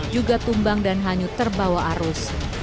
juga tumbang dan hanyut terbawa arus